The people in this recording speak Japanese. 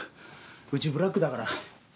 うちブラックだから。